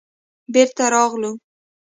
بېرته راغلو.